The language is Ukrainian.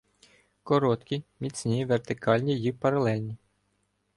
Короткі, міцні, вертикальні и паралельні.